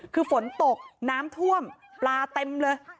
คือฝนตกน้ำท่วมปลาเต็มเลย